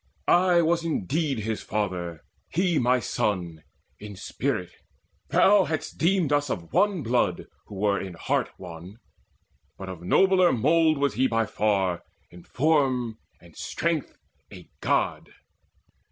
I was indeed his father, he my son In spirit: thou hadst deemed us of one blood Who were in heart one: but of nobler mould Was he by far, in form and strength a God.